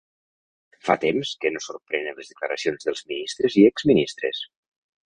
Fa temps que no sorprenen les declaracions dels ministres i exministres.